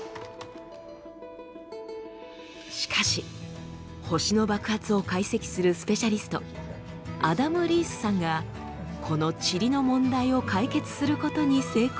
しかし星の爆発を解析するスペシャリストアダム・リースさんがこのチリの問題を解決することに成功しました。